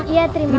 iya terima kasih